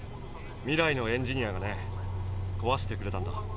未来のエンジニアがねこわしてくれたんだ。